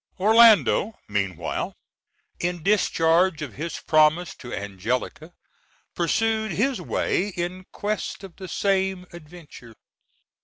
Orlando, meanwhile, in discharge of his promise to Angelica, pursued his way in quest of the same adventure.